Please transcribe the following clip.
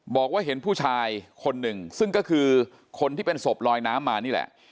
บอกว่าเห็นผู้ชายคนหนึ่งซึ่งก็คือคนที่เป็นศพลอยน้ำมานี่แหละ